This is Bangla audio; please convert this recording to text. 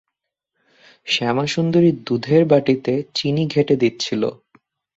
শ্যামাসুন্দরী দুধের বাটিতে চিনি ঘেঁটে দিচ্ছিল।